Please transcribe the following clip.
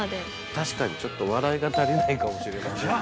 ◆確かに、ちょっと笑いが足りないかもしれませんね。